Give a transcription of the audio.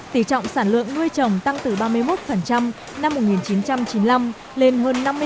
tỷ trọng sản lượng nuôi chồng tăng từ ba mươi một năm một nghìn chín trăm chín mươi năm lên hơn năm mươi bốn năm hai nghìn một mươi tám